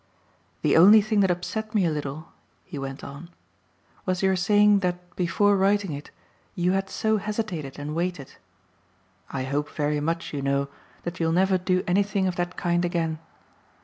"The only thing that upset me a little," he went on, "was your saying that before writing it you had so hesitated and waited. I hope very much, you know, that you'll never do anything of that kind again.